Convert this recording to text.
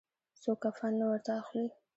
څوک کفن نه ورته اخلي.